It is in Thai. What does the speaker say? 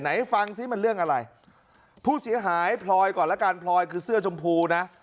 ไหนฟังซิมันเรื่องอะไรผู้เสียหายพลอยก่อนละกันพลอยคือเสื้อชมพูนะ